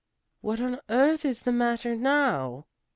"What on earth is the matter now?"